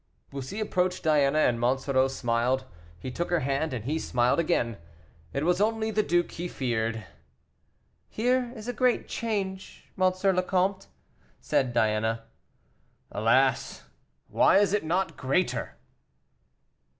Bussy approached Diana, and Monsoreau smiled; he took her hand, and he smiled again. It was only the duke he feared. "Here is a great change, M. le Comte," said Diana. "Alas! why is it not greater!"